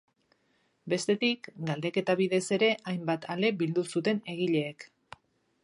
Bestetik, galdeketa bidez ere hainbat ale bildu zuten egileek.